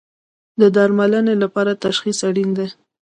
د درملنې لپاره تشخیص اړین دی